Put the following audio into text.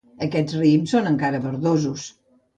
Aquests raïms són encara verdosos.